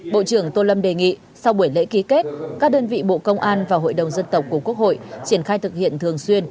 bộ trưởng tô lâm đề nghị sau buổi lễ ký kết các đơn vị bộ công an và hội đồng dân tộc của quốc hội triển khai thực hiện thường xuyên